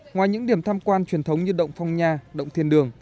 ngoài những điểm tham quan truyền thống như động phong nha động thiên đường